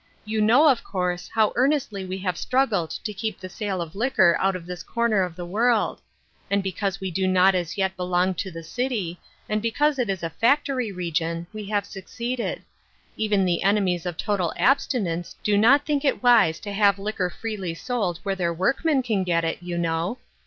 You know, of course, how ear nestly we have struggled to keep the sale of liquor out of this corner of the world ; and because we do not as yet belong to the city, and because it is a factory region, we have succeeded ; even the enemies of total abstinence do not think it wise to have liquor freely sold where their workmen can get it, you know.